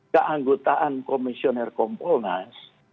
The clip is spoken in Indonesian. keanggotaan komisioner kompolnas